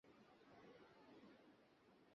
এটা কি তোমার হোমওয়ার্ক?